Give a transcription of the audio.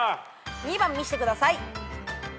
２番見してください。